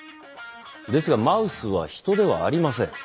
ですがマウスはヒトではありません。